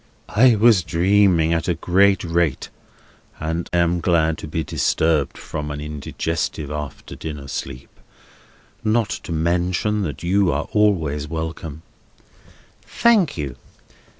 "I was dreaming at a great rate, and am glad to be disturbed from an indigestive after dinner sleep. Not to mention that you are always welcome." "Thank you.